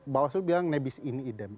bawah selu bilang nebis ini idem